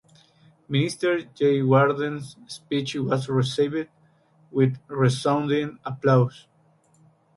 Minister Jayewardene's speech was received with resounding applause.